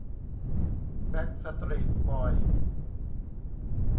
แบ็กสตรีทบอยส์